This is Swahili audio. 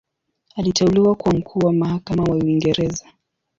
Aliteuliwa kuwa Mkuu wa Mahakama wa Uingereza.